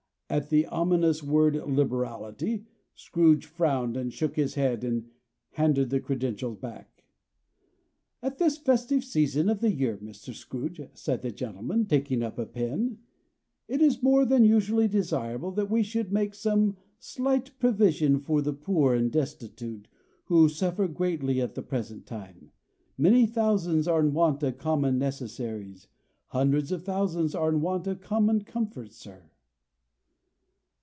At the ominous word "liberality," Scrooge frowned, and shook his head, and handed the credentials back. "At this festive season of the year, Mr. Scrooge," said the gentleman, taking up a pen, "it is more than usually desirable that we should make some slight provision for the poor and destitute, who suffer greatly at the present time. Many thousands are in want of common necessaries; hundreds of thousands are in want of common comforts, sir."